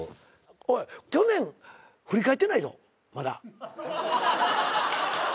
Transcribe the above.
おい去年振り返ってないぞまだ。